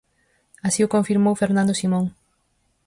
Así o confirmou Fernando Simón.